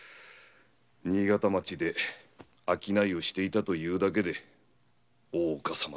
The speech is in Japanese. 新潟町で商いをしていたというだけで大岡様と同罪です。